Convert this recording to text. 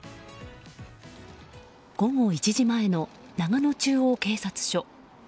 午後１時前の長野中央警察署。